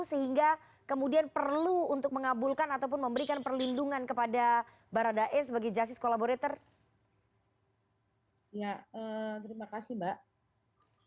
sehingga kemudian perlu untuk mengabulkan ataupun memberikan perlindungan kepada baradae sebagai justice collaborator terhadap kliennya bang rony baradae